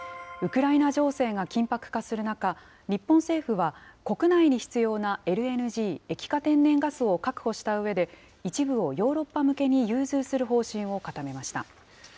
ウクライナ情勢が緊迫化する中、日本政府は、国内に必要なＬＮＧ・液化天然ガスを確保したうえで、一部をヨーロッパ向けに融通する方針を固めました。